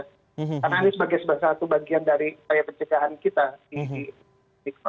karena ini sebagai salah satu bagian dari pencegahan kita di tikran